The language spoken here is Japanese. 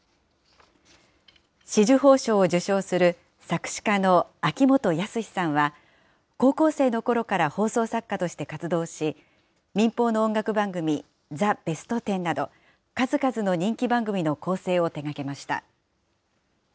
紫綬褒章を受章する作詞家の秋元康さんは、高校生のころから放送作家として活動し、民放の音楽番組、ザ・ベストテンなど、数々の人気番組の構成を手がけました。